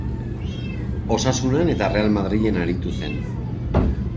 Osasunan eta Real Madrilen aritu zen.